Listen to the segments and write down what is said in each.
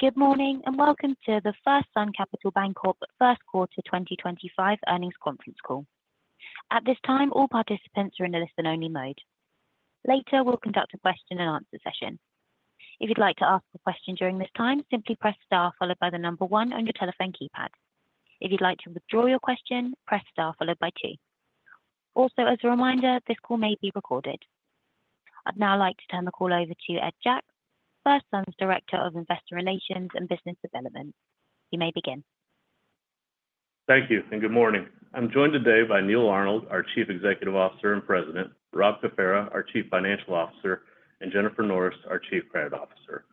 Good morning and welcome to the FirstSun Capital Bancorp first quarter 2025 earnings conference call. At this time, all participants are in a listen-only mode. Later, we'll conduct a question-and-answer session. If you'd like to ask a question during this time, simply press star followed by the number one on your telephone keypad. If you'd like to withdraw your question, press star followed by two. Also, as a reminder, this call may be recorded. I'd now like to turn the call over to Ed Jacques, FirstSun's Director of Investor Relations and Business Development. You may begin. Thank you and good morning. I'm joined today by Neal Arnold, our Chief Executive Officer and President; Rob Cafera, our Chief Financial Officer; and Jennifer Norris, our Chief Credit Officer.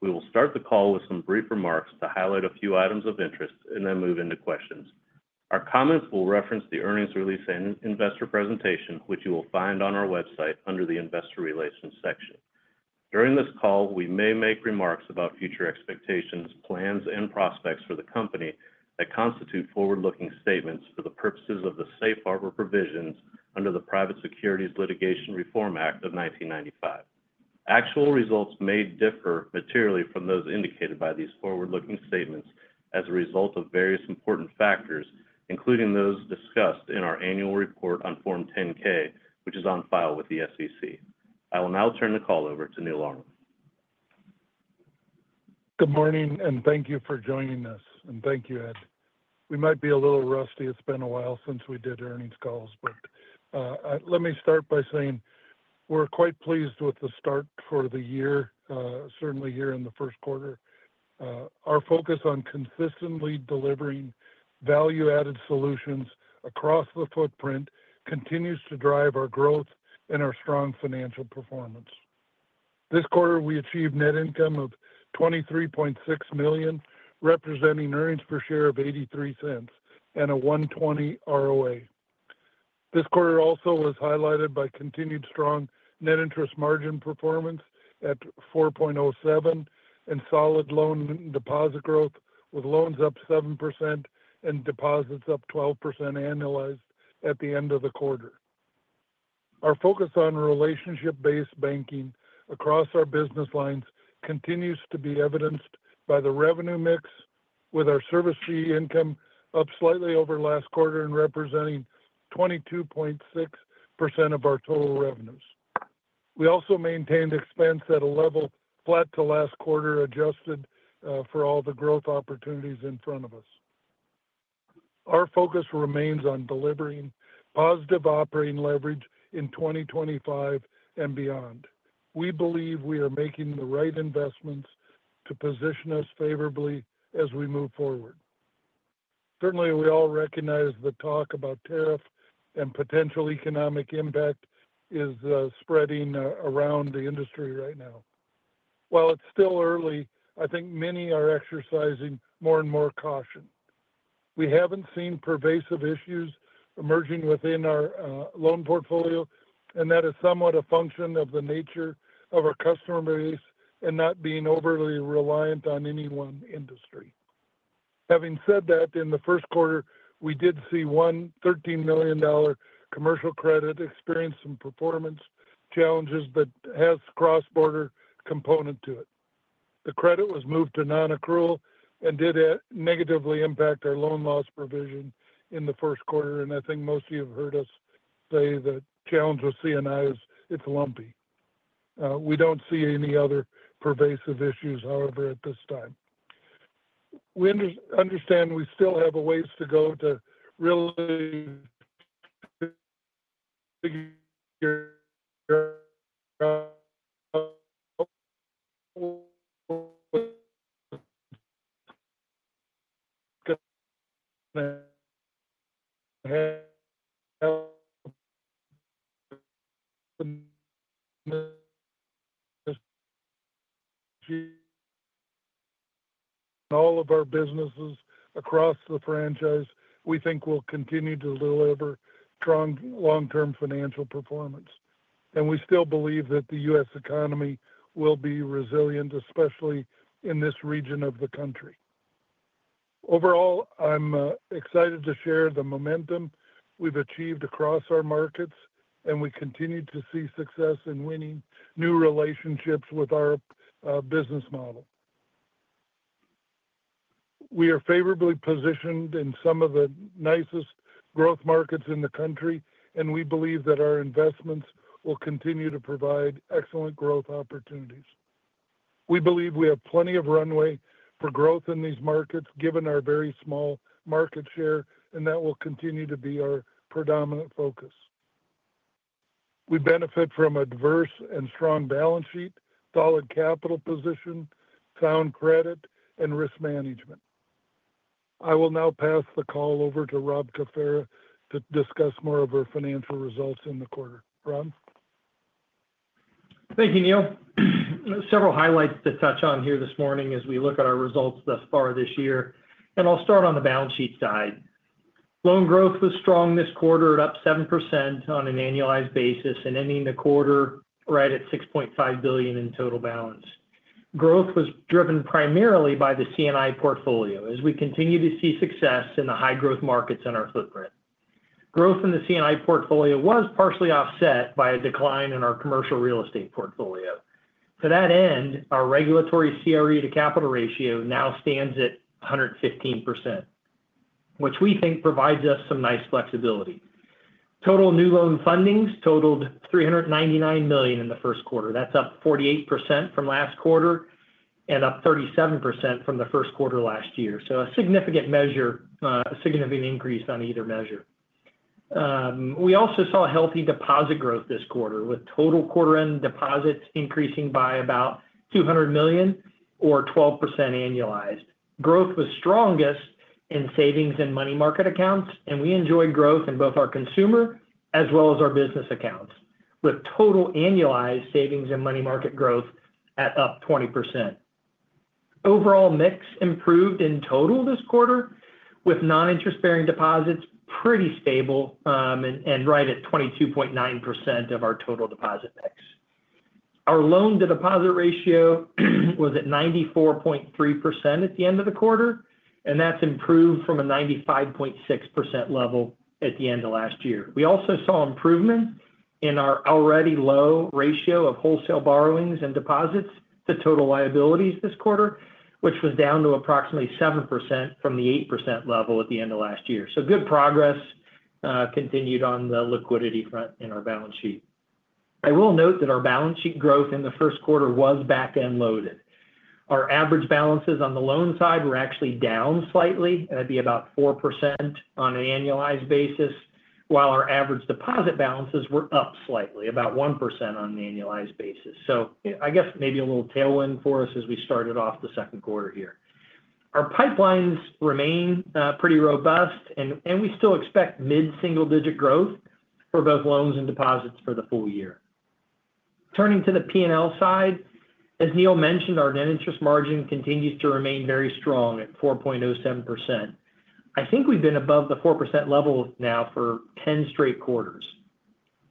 We will start the call with some brief remarks to highlight a few items of interest and then move into questions. Our comments will reference the earnings release and investor presentation, which you will find on our website under the investor relations section. During this call, we may make remarks about future expectations, plans, and prospects for the company that constitute forward-looking statements for the purposes of the safe harbor provisions under the Private Securities Litigation Reform Act of 1995. Actual results may differ materially from those indicated by these forward-looking statements as a result of various important factors, including those discussed in our annual report on Form 10-K, which is on file with the SEC. I will now turn the call over to Neal Arnold. Good morning and thank you for joining us, and thank you, Ed. We might be a little rusty. It's been a while since we did earnings calls, but let me start by saying we're quite pleased with the start for the year, certainly here in the first quarter. Our focus on consistently delivering value-added solutions across the footprint continues to drive our growth and our strong financial performance. This quarter, we achieved net income of $23.6 million, representing earnings per share of $0.83 and a 1.20% ROA. This quarter also was highlighted by continued strong net interest margin performance at 4.07% and solid loan and deposit growth, with loans up 7% and deposits up 12% annualized at the end of the quarter. Our focus on relationship-based banking across our business lines continues to be evidenced by the revenue mix, with our service fee income up slightly over last quarter and representing 22.6% of our total revenues. We also maintained expense at a level flat to last quarter, adjusted for all the growth opportunities in front of us. Our focus remains on delivering positive operating leverage in 2025 and beyond. We believe we are making the right investments to position us favorably as we move forward. Certainly, we all recognize the talk about tariff and potential economic impact is spreading around the industry right now. While it's still early, I think many are exercising more and more caution. We haven't seen pervasive issues emerging within our loan portfolio, and that is somewhat a function of the nature of our customer base and not being overly reliant on any one industry. Having said that, in the first quarter, we did see one $13 million commercial credit experience and performance challenges that has a cross-border component to it. The credit was moved to non-accrual and did negatively impact our loan loss provision in the first quarter, and I think most of you have heard us say the challenge with C&I is it's lumpy. We don't see any other pervasive issues, however, at this time. We understand we still have a ways to go to really all of our businesses across the franchise. We think we'll continue to deliver strong long-term financial performance, and we still believe that the U.S. economy will be resilient, especially in this region of the country. Overall, I'm excited to share the momentum we've achieved across our markets, and we continue to see success in winning new relationships with our business model. We are favorably positioned in some of the nicest growth markets in the country, and we believe that our investments will continue to provide excellent growth opportunities. We believe we have plenty of runway for growth in these markets, given our very small market share, and that will continue to be our predominant focus. We benefit from a diverse and strong balance sheet, solid capital position, sound credit, and risk management. I will now pass the call over to Rob Cafera to discuss more of our financial results in the quarter. Rob? Thank you, Neal. Several highlights to touch on here this morning as we look at our results thus far this year, and I'll start on the balance sheet side. Loan growth was strong this quarter, at up 7% on an annualized basis, and ending the quarter right at $6.5 billion in total balance. Growth was driven primarily by the C&I portfolio, as we continue to see success in the high-growth markets on our footprint. Growth in the C&I portfolio was partially offset by a decline in our commercial real estate portfolio. To that end, our regulatory CRE to capital ratio now stands at 115%, which we think provides us some nice flexibility. Total new loan fundings totaled $399 million in the first quarter. That's up 48% from last quarter and up 37% from the first quarter last year, so a significant measure, a significant increase on either measure. We also saw healthy deposit growth this quarter, with total quarter-end deposits increasing by about $200 million, or 12% annualized. Growth was strongest in savings and money market accounts, and we enjoyed growth in both our consumer as well as our business accounts, with total annualized savings and money market growth at up 20%. Overall mix improved in total this quarter, with non-interest-bearing deposits pretty stable and right at 22.9% of our total deposit mix. Our loan-to-deposit ratio was at 94.3% at the end of the quarter, and that is improved from a 95.6% level at the end of last year. We also saw improvement in our already low ratio of wholesale borrowings and deposits to total liabilities this quarter, which was down to approximately 7% from the 8% level at the end of last year. Good progress continued on the liquidity front in our balance sheet. I will note that our balance sheet growth in the first quarter was back-end loaded. Our average balances on the loan side were actually down slightly, at about 4% on an annualized basis, while our average deposit balances were up slightly, about 1% on an annualized basis. I guess maybe a little tailwind for us as we started off the second quarter here. Our pipelines remain pretty robust, and we still expect mid-single-digit growth for both loans and deposits for the full year. Turning to the P&L side, as Neal mentioned, our net interest margin continues to remain very strong at 4.07%. I think we've been above the 4% level now for 10 straight quarters.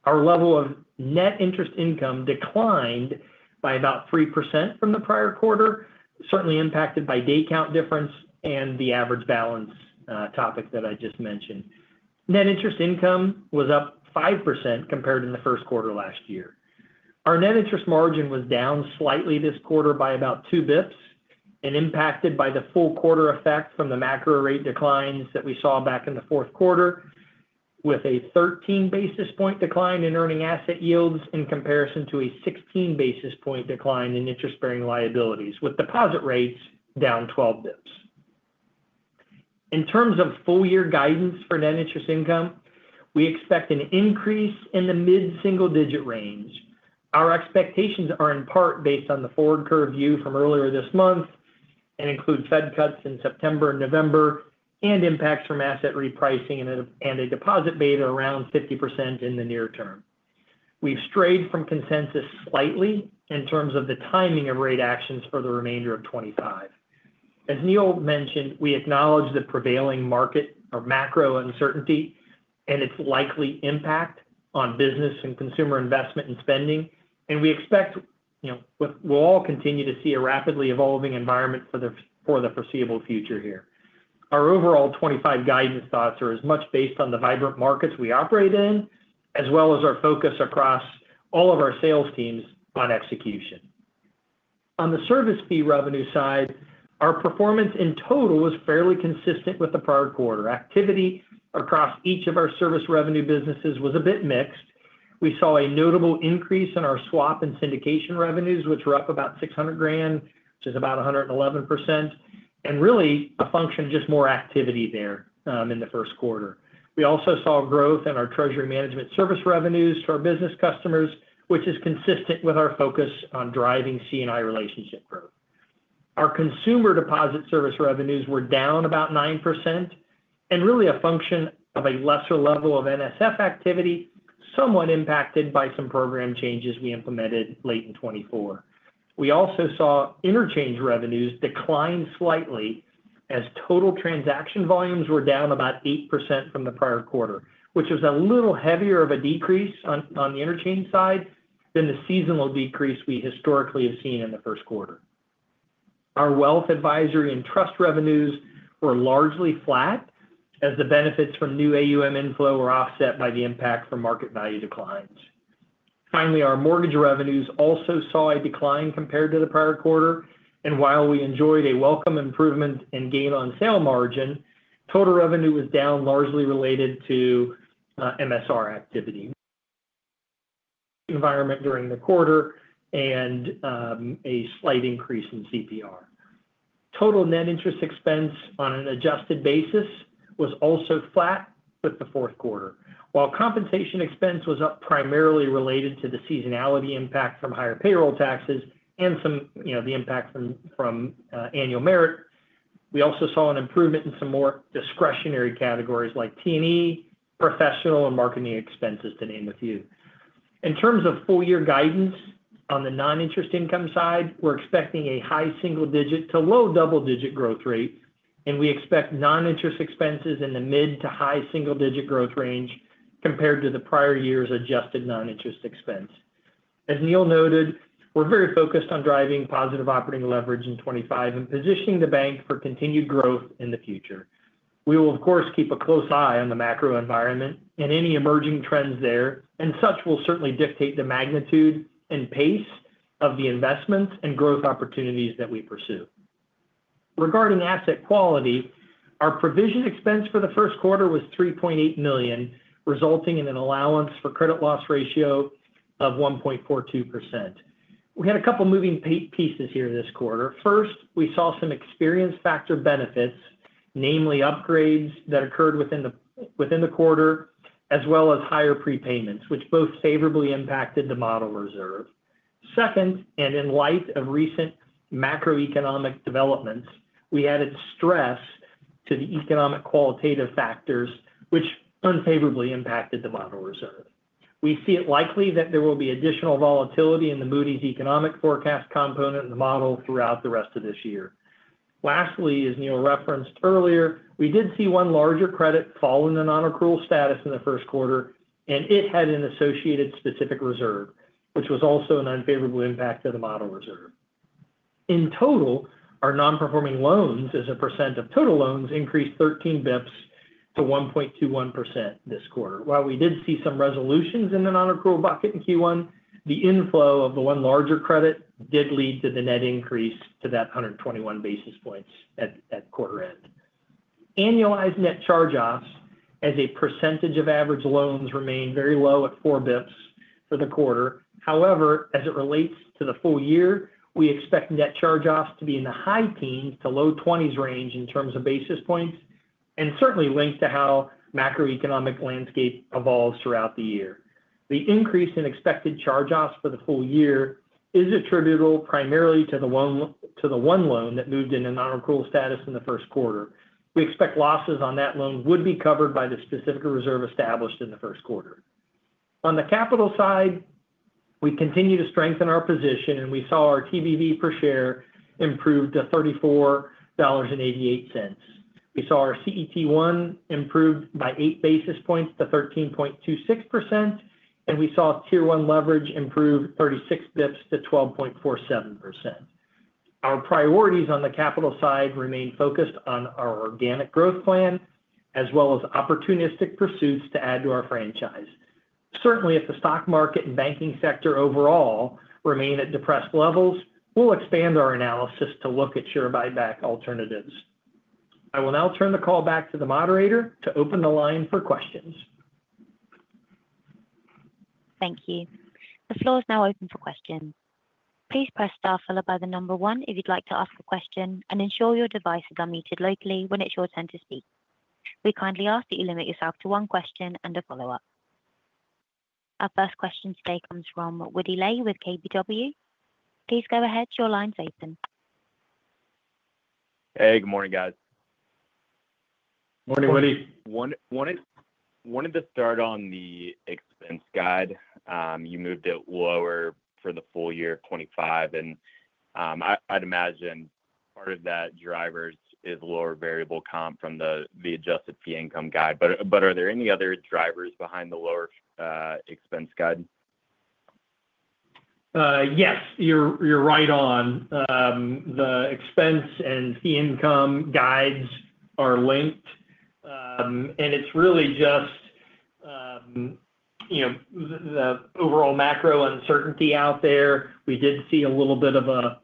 Our level of net interest income declined by about 3% from the prior quarter, certainly impacted by day count difference and the average balance topic that I just mentioned. Net interest income was up 5% compared to the first quarter last year. Our net interest margin was down slightly this quarter by about two basis points and impacted by the full quarter effect from the macro rate declines that we saw back in the fourth quarter, with a 13 basis point decline in earning asset yields in comparison to a 16 basis point decline in interest-bearing liabilities, with deposit rates down 12 basis points. In terms of full-year guidance for net interest income, we expect an increase in the mid-single-digit range. Our expectations are in part based on the forward curve view from earlier this month and include Fed cuts in September and November and impacts from asset repricing and a deposit beta around 50% in the near term. We've strayed from consensus slightly in terms of the timing of rate actions for the remainder of 2025. As Neal mentioned, we acknowledge the prevailing market or macro uncertainty and its likely impact on business and consumer investment and spending, and we expect we'll all continue to see a rapidly evolving environment for the foreseeable future here. Our overall 2025 guidance thoughts are as much based on the vibrant markets we operate in as well as our focus across all of our sales teams on execution. On the service fee revenue side, our performance in total was fairly consistent with the prior quarter. Activity across each of our service revenue businesses was a bit mixed. We saw a notable increase in our swap and syndication revenues, which were up about $600,000, which is about 111%, and really a function of just more activity there in the first quarter. We also saw growth in our treasury management service revenues to our business customers, which is consistent with our focus on driving C&I relationship growth. Our consumer deposit service revenues were down about 9% and really a function of a lesser level of NSF activity, somewhat impacted by some program changes we implemented late in 2024. We also saw interchange revenues decline slightly as total transaction volumes were down about 8% from the prior quarter, which was a little heavier of a decrease on the interchange side than the seasonal decrease we historically have seen in the first quarter. Our wealth advisory and trust revenues were largely flat as the benefits from new AUM inflow were offset by the impact from market value declines. Finally, our mortgage revenues also saw a decline compared to the prior quarter, and while we enjoyed a welcome improvement in gain on sale margin, total revenue was down largely related to MSR activity, environment during the quarter, and a slight increase in CPR. Total net interest expense on an adjusted basis was also flat with the fourth quarter. While compensation expense was up primarily related to the seasonality impact from higher payroll taxes and some, you know, the impact from annual merit, we also saw an improvement in some more discretionary categories like T&E, professional, and marketing expenses, to name a few. In terms of full-year guidance on the non-interest income side, we're expecting a high single-digit to low double-digit growth rate, and we expect non-interest expenses in the mid to high single-digit growth range compared to the prior year's adjusted non-interest expense. As Neal noted, we're very focused on driving positive operating leverage in 2025 and positioning the bank for continued growth in the future. We will, of course, keep a close eye on the macro environment and any emerging trends there, and such will certainly dictate the magnitude and pace of the investments and growth opportunities that we pursue. Regarding asset quality, our provision expense for the first quarter was $3.8 million, resulting in an allowance for credit loss ratio of 1.42%. We had a couple of moving pieces here this quarter. First, we saw some experience factor benefits, namely upgrades that occurred within the quarter, as well as higher prepayments, which both favorably impacted the model reserve. Second, and in light of recent macroeconomic developments, we added stress to the economic qualitative factors, which unfavorably impacted the model reserve. We see it likely that there will be additional volatility in the Moody's economic forecast component of the model throughout the rest of this year. Lastly, as Neal referenced earlier, we did see one larger credit fall in the non-accrual status in the first quarter, and it had an associated specific reserve, which was also an unfavorable impact to the model reserve. In total, our non-performing loans as a percent of total loans increased 13 basis points to 1.21% this quarter. While we did see some resolutions in the non-accrual bucket in Q1, the inflow of the one larger credit did lead to the net increase to that 121 basis points at quarter-end. Annualized net charge-offs, as a percentage of average loans, remain very low at 4 basis points for the quarter. However, as it relates to the full year, we expect net charge-offs to be in the high teens to low 20s range in terms of basis points and certainly linked to how macroeconomic landscape evolves throughout the year. The increase in expected charge-offs for the full year is attributable primarily to the one loan that moved into non-accrual status in the first quarter. We expect losses on that loan would be covered by the specific reserve established in the first quarter. On the capital side, we continue to strengthen our position, and we saw our TBV per share improved to $34.88. We saw our CET1 improved by 8 basis points to 13.26%, and we saw tier one leverage improve 36 basis points to 12.47%. Our priorities on the capital side remain focused on our organic growth plan as well as opportunistic pursuits to add to our franchise. Certainly, if the stock market and banking sector overall remain at depressed levels, we'll expand our analysis to look at share buyback alternatives. I will now turn the call back to the moderator to open the line for questions. Thank you. The floor is now open for questions. Please press star followed by the number one if you'd like to ask a question and ensure your device is unmuted locally when it's your turn to speak. We kindly ask that you limit yourself to one question and a follow-up. Our first question today comes from Woody Lay with KBW. Please go ahead. Your line's open. Hey, good morning, guys. Morning, Woody. Wanted to start on the expense guide. You moved it lower for the full year 2025, and I'd imagine part of that driver is lower variable comp from the adjusted fee income guide, but are there any other drivers behind the lower expense guide? Yes, you're right on. The expense and fee income guides are linked, and it's really just the overall macro uncertainty out there. We did see a little bit of a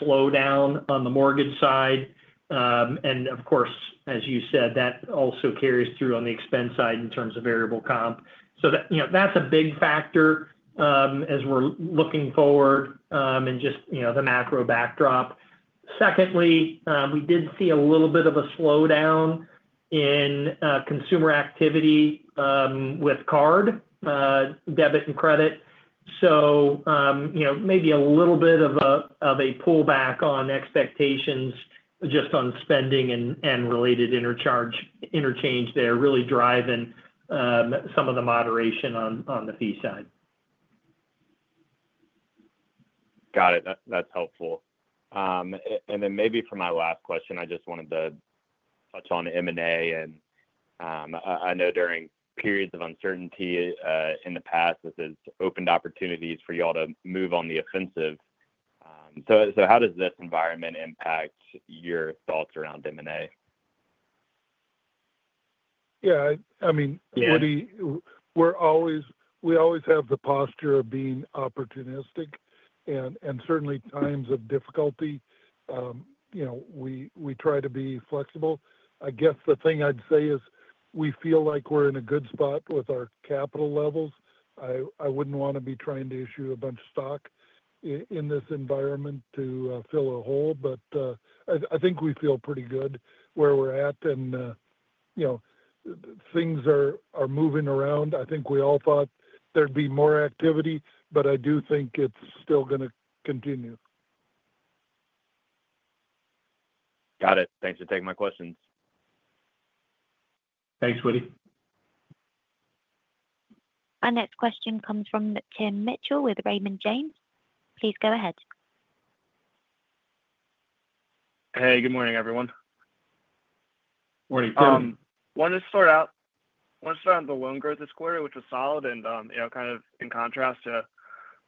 slowdown on the mortgage side, and of course, as you said, that also carries through on the expense side in terms of variable comp. That's a big factor as we're looking forward and just the macro backdrop. Secondly, we did see a little bit of a slowdown in consumer activity with card, debit, and credit, so maybe a little bit of a pullback on expectations just on spending and related interchange there really driving some of the moderation on the fee side. Got it. That's helpful. Maybe for my last question, I just wanted to touch on M&A, and I know during periods of uncertainty in the past, this has opened opportunities for y'all to move on the offensive. How does this environment impact your thoughts around M&A? Yeah. I mean, Woody, we always have the posture of being opportunistic, and certainly times of difficulty, we try to be flexible. I guess the thing I'd say is we feel like we're in a good spot with our capital levels. I wouldn't want to be trying to issue a bunch of stock in this environment to fill a hole, but I think we feel pretty good where we're at, and things are moving around. I think we all thought there'd be more activity, but I do think it's still going to continue. Got it. Thanks for taking my questions. Thanks, Woody. Our next question comes from Tim Mitchell with Raymond James. Please go ahead. Hey, good morning, everyone. Morning, Tim. Wanted to start out, wanted to start on the loan growth this quarter, which was solid, and kind of in contrast to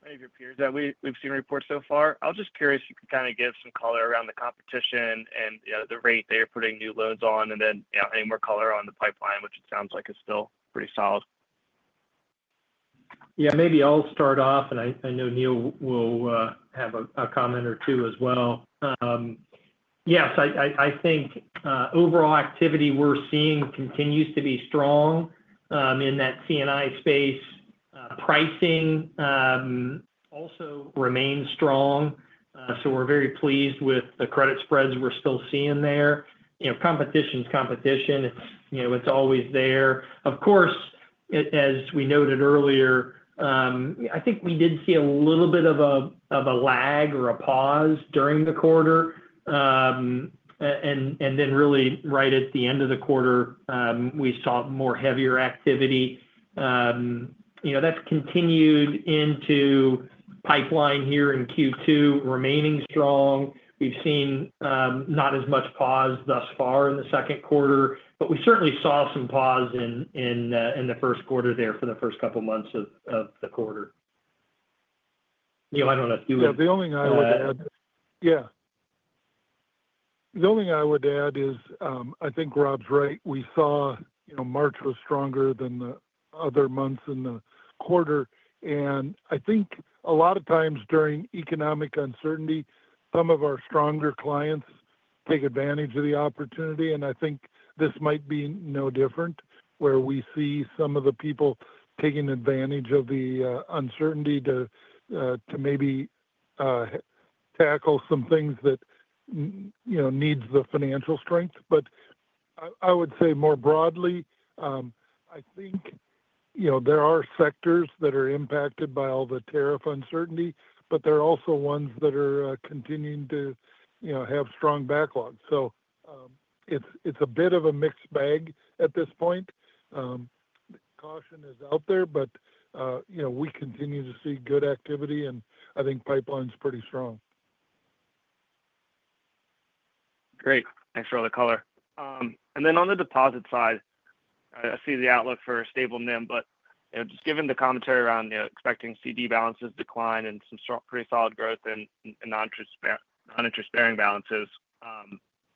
many of your peers that we've seen report so far. I was just curious if you could kind of give some color around the competition and the rate they're putting new loans on, and then any more color on the pipeline, which it sounds like is still pretty solid. Yeah, maybe I'll start off, and I know Neal will have a comment or two as well. Yes, I think overall activity we're seeing continues to be strong in that C&I space. Pricing also remains strong, so we're very pleased with the credit spreads we're still seeing there. Competition's competition. It's always there. Of course, as we noted earlier, I think we did see a little bit of a lag or a pause during the quarter, and then really right at the end of the quarter, we saw more heavier activity. That's continued into pipeline here in Q2, remaining strong. We've seen not as much pause thus far in the second quarter, but we certainly saw some pause in the first quarter there for the first couple of months of the quarter. Neal, I don't know if you would. Yeah, the only thing I would add is I think Rob's right. We saw March was stronger than the other months in the quarter, and I think a lot of times during economic uncertainty, some of our stronger clients take advantage of the opportunity, and I think this might be no different where we see some of the people taking advantage of the uncertainty to maybe tackle some things that need the financial strength. I would say more broadly, I think there are sectors that are impacted by all the tariff uncertainty, but there are also ones that are continuing to have strong backlog. It is a bit of a mixed bag at this point. Caution is out there, but we continue to see good activity, and I think pipeline's pretty strong. Great. Thanks for all the color. On the deposit side, I see the outlook for stable NIM, but just given the commentary around expecting CD balances decline and some pretty solid growth in non-interest bearing balances,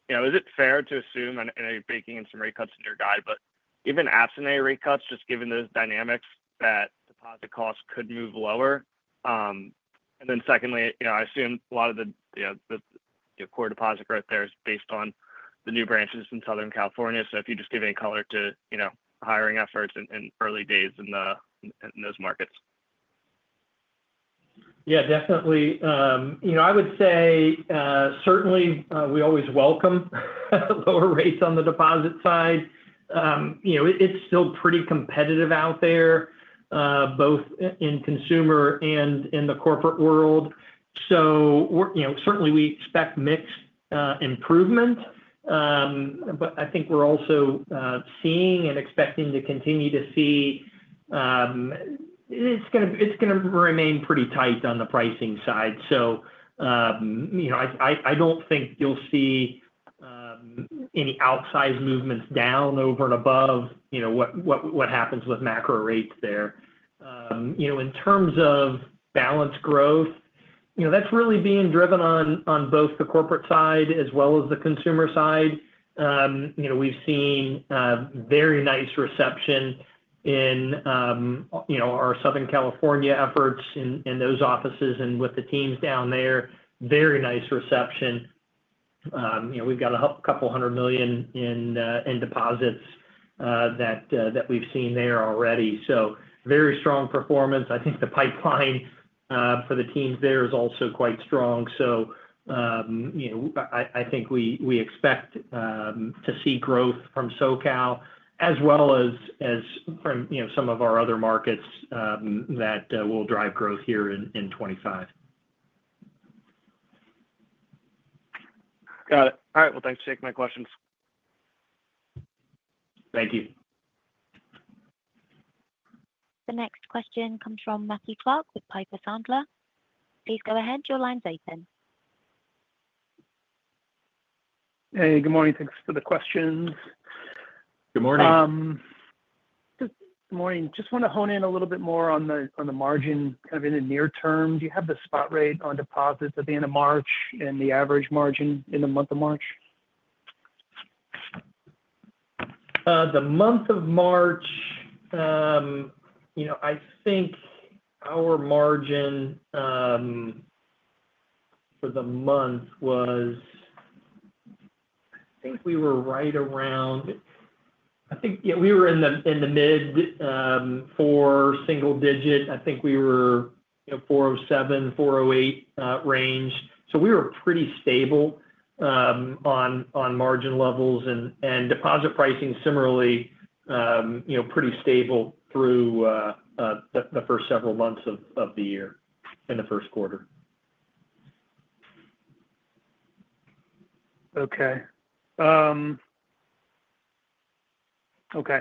is it fair to assume, and I know you're baking in some rate cuts in your guide, but even absent any rate cuts, just given those dynamics, that deposit costs could move lower? Secondly, I assume a lot of the core deposit growth there is based on the new branches in Southern California, so if you just give any color to hiring efforts in early days in those markets. Yeah, definitely. I would say certainly we always welcome lower rates on the deposit side. It's still pretty competitive out there, both in consumer and in the corporate world. Certainly we expect mixed improvement, but I think we're also seeing and expecting to continue to see it's going to remain pretty tight on the pricing side. I don't think you'll see any outsized movements down over and above what happens with macro rates there. In terms of balance growth, that's really being driven on both the corporate side as well as the consumer side. We've seen very nice reception in our Southern California efforts in those offices and with the teams down there. Very nice reception. We've got a couple hundred million in deposits that we've seen there already. Very strong performance. I think the pipeline for the teams there is also quite strong. I think we expect to see growth from Southern California as well as from some of our other markets that will drive growth here in 2025. Got it. All right. Thanks for taking my questions. Thank you. The next question comes from Matthew Clark with Piper Sandler. Please go ahead. Your line's open. Hey, good morning. Thanks for the questions. Good morning. Good morning. Just want to hone in a little bit more on the margin kind of in the near term. Do you have the spot rate on deposits at the end of March and the average margin in the month of March? The month of March, I think our margin for the month was, I think we were right around, I think, yeah, we were in the mid four single digit. I think we were 4.07-4.08 range. So we were pretty stable on margin levels and deposit pricing similarly pretty stable through the first several months of the year in the first quarter. Okay. Okay.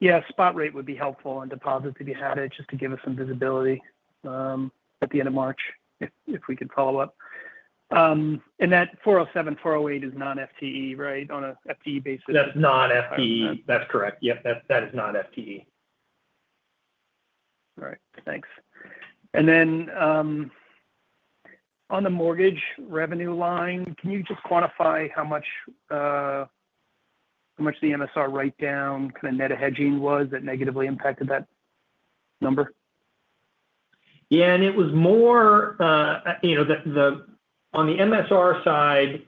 Yeah, spot rate would be helpful on deposits if you had it just to give us some visibility at the end of March if we could follow up. That 4.07-4.08 is non-FTE, right, on an FTE basis? That's not FTE. That's correct. Yep, that is not FTE. All right. Thanks. On the mortgage revenue line, can you just quantify how much the MSR write-down kind of net hedging was that negatively impacted that number? Yeah, and it was more on the MSR side,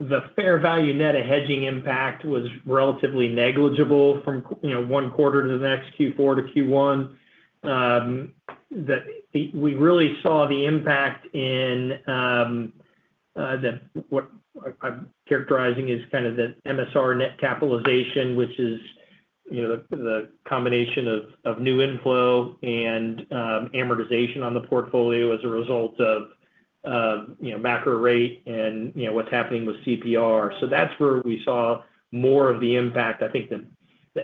the fair value net hedging impact was relatively negligible from one quarter to the next, Q4 to Q1. We really saw the impact in what I'm characterizing as kind of the MSR net capitalization, which is the combination of new inflow and amortization on the portfolio as a result of macro rate and what's happening with CPR. That's where we saw more of the impact. I think the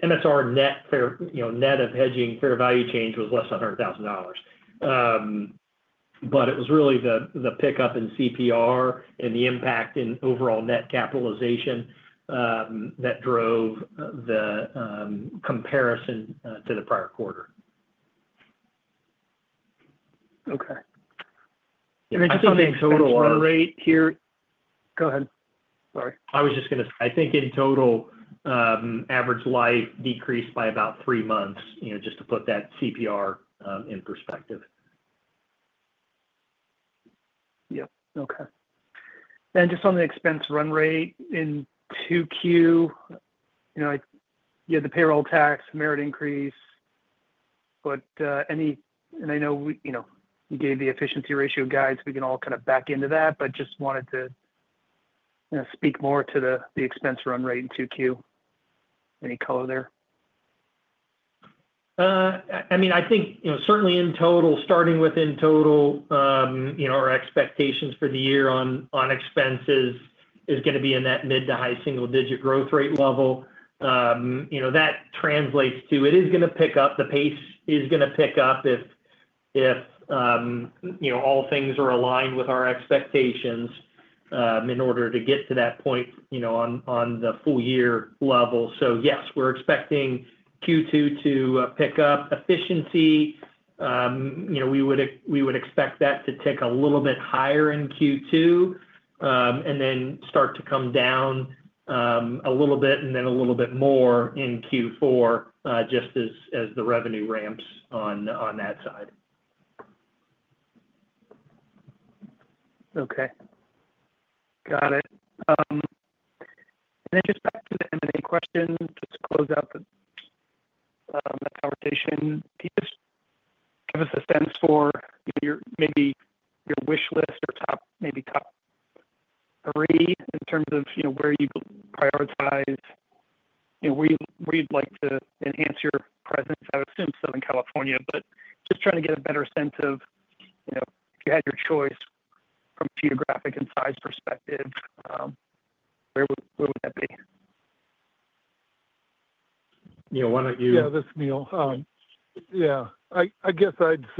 MSR net of hedging fair value change was less than $100,000. It was really the pickup in CPR and the impact in overall net capitalization that drove the comparison to the prior quarter. Just on the exponential rate here. Go ahead. Sorry. I was just going to say I think in total, average life decreased by about three months just to put that CPR in perspective. Yep. Okay. Just on the expense run rate in Q2, you had the payroll tax, merit increase, but any—I know you gave the efficiency ratio guide, so we can all kind of back into that, but just wanted to speak more to the expense run rate in Q2. Any color there? I mean, I think certainly in total, starting with in total, our expectations for the year on expenses is going to be in that mid to high single digit growth rate level. That translates to it is going to pick up. The pace is going to pick up if all things are aligned with our expectations in order to get to that point on the full year level. Yes, we're expecting Q2 to pick up. Efficiency, we would expect that to tick a little bit higher in Q2 and then start to come down a little bit and then a little bit more in Q4 just as the revenue ramps on that side. Okay. Got it. Just back to the M&A question, just to close out the conversation, can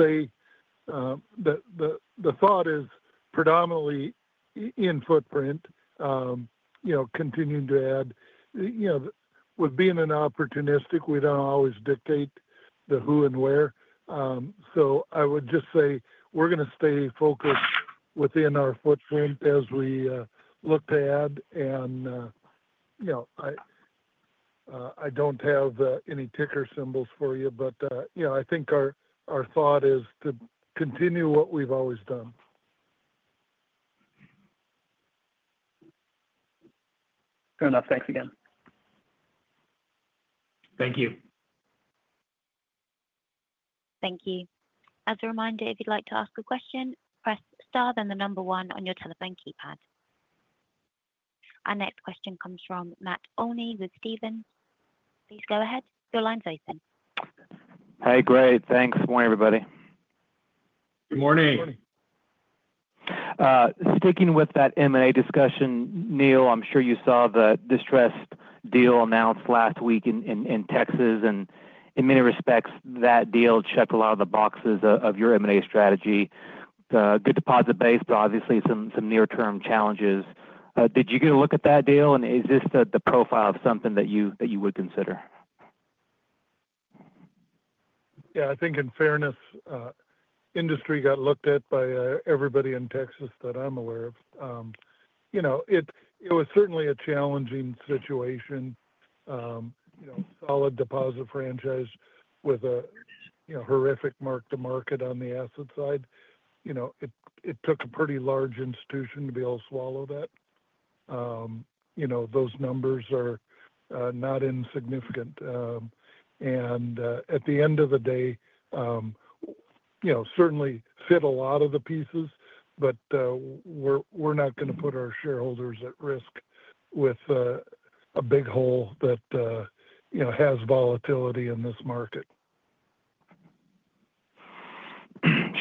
size perspective, where would that be? Why don't you? Yeah, that's Neal. Yeah. I guess I'd say the thought is predominantly in footprint, continuing to add. With being opportunistic, we don't always dictate the who and where. I would just say we're going to stay focused within our footprint as we look to add. I don't have any ticker symbols for you, but I think our thought is to continue what we've always done. Fair enough. Thanks again. Thank you. Thank you. As a reminder, if you'd like to ask a question, press star then the number one on your telephone keypad. Our next question comes from Matt Olney with Stephens. Please go ahead. Your line's open. Hey, great. Thanks. Good morning, everybody. Good morning. Good morning. Sticking with that M&A discussion, Neal, I'm sure you saw the distressed deal announced last week in Texas. In many respects, that deal checked a lot of the boxes of your M&A strategy. Good deposit base, but obviously some near-term challenges. Did you get a look at that deal, and is this the profile of something that you would consider? Yeah, I think in fairness, industry got looked at by everybody in Texas that I'm aware of. It was certainly a challenging situation. Solid deposit franchise with a horrific mark-to-market on the asset side. It took a pretty large institution to be able to swallow that. Those numbers are not insignificant. At the end of the day, certainly fit a lot of the pieces, but we're not going to put our shareholders at risk with a big hole that has volatility in this market.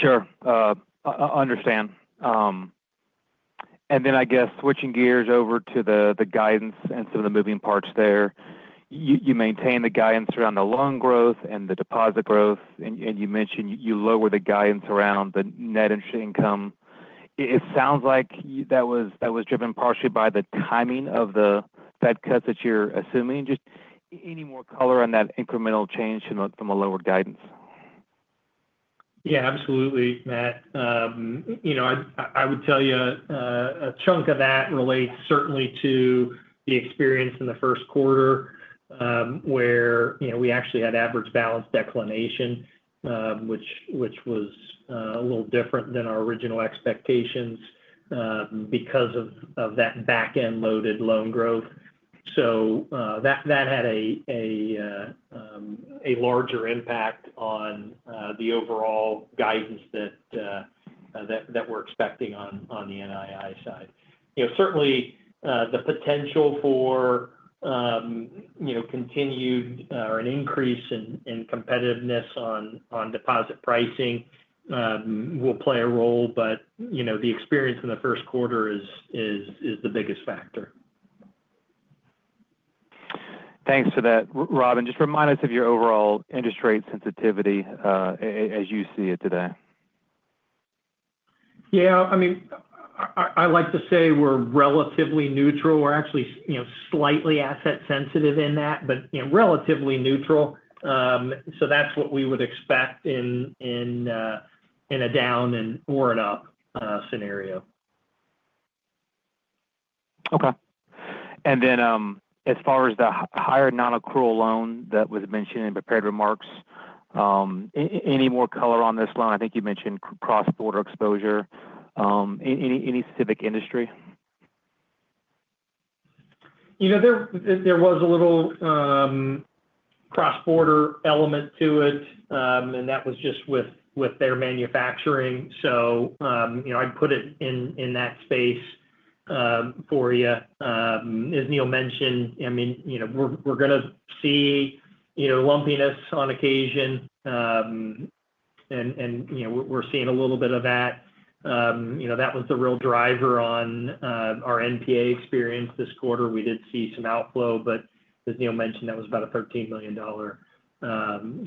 Sure. I understand. I guess switching gears over to the guidance and some of the moving parts there. You maintain the guidance around the loan growth and the deposit growth, and you mentioned you lower the guidance around the net interest income. It sounds like that was driven partially by the timing of the Fed cuts that you're assuming. Just any more color on that incremental change from a lower guidance? Yeah, absolutely, Matt. I would tell you a chunk of that relates certainly to the experience in the first quarter where we actually had average balance declination, which was a little different than our original expectations because of that back-end loaded loan growth. That had a larger impact on the overall guidance that we're expecting on the NII side. Certainly, the potential for continued or an increase in competitiveness on deposit pricing will play a role, but the experience in the first quarter is the biggest factor. Thanks for that, Rob. Just remind us of your overall interest rate sensitivity as you see it today. Yeah. I mean, I like to say we're relatively neutral. We're actually slightly asset sensitive in that, but relatively neutral. That is what we would expect in a down or an up scenario. Okay. As far as the higher non-accrual loan that was mentioned in prepared remarks, any more color on this loan? I think you mentioned cross-border exposure. Any specific industry? There was a little cross-border element to it, and that was just with their manufacturing. I'd put it in that space for you. As Neal mentioned, I mean, we're going to see lumpiness on occasion, and we're seeing a little bit of that. That was the real driver on our NPA experience this quarter. We did see some outflow, but as Neal mentioned, that was about a $13 million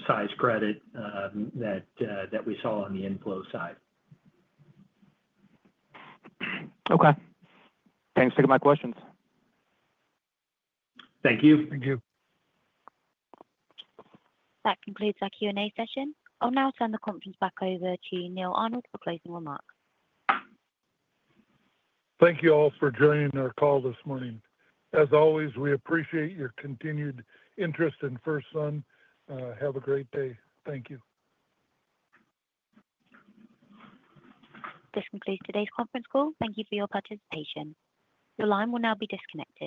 size credit that we saw on the inflow side. Okay. Thanks. Thank you for my questions. Thank you. Thank you. That completes our Q&A session. I'll now turn the conference back over to Neal Arnold for closing remarks. Thank you all for joining our call this morning. As always, we appreciate your continued interest in FirstSun. Have a great day. Thank you. This concludes today's conference call. Thank you for your participation. Your line will now be disconnected.